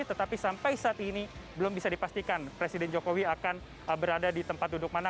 tetapi sampai saat ini belum bisa dipastikan presiden jokowi akan berada di tempat duduk mana